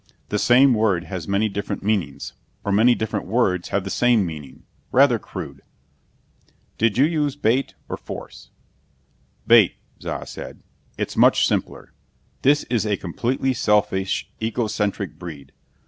"The same word has many different meanings, or many different words have the same meaning. Rather crude." "Did you use bait, or force?" "Bait," Za said. "It's much simpler. This is a completely selfish, egocentric breed.